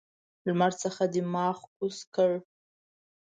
لمر څخه دماغ کوز کړ.